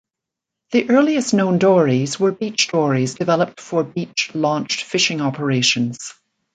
The earliest known dories were beach dories developed for beach-launched fishing operations.